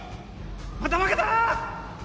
また負けた！